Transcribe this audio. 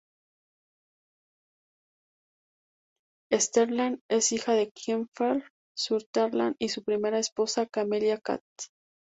Sutherland es hija de Kiefer Sutherland y su primera esposa, Camelia Kath.